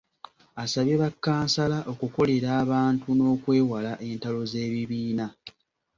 Asabye bakkansala okukolera abantu n’okwewala entalo z’ebibiina.